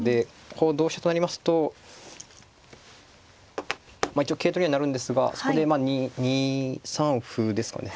こう同飛車となりますと一応桂取りにはなるんですがそこでまあ２三歩ですかね。